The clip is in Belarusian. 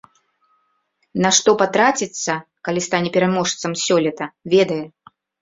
На што патраціцца, калі стане пераможцам сёлета, ведае.